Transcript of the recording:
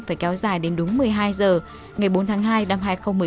phải kéo dài đến đúng một mươi hai h ngày bốn tháng hai năm hai nghìn một mươi